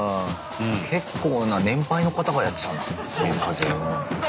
結構な年配の方がやってたんだ水かけ。